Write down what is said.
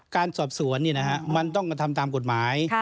การสอบสวนนี่นะฮะมันต้องมาทำตามกฎหมาย